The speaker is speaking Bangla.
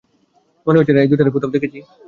মনে হচ্ছে না, এই দুইটারে কোথাও দেখেছি?